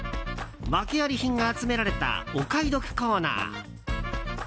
ワケあり品が集められたお買い得コーナー。